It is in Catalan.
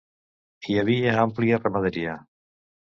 Hi havia àmplia ramaderia.